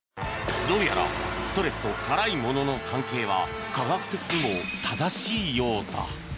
どうやらストレスと辛いものの関係は科学的にも正しいようだ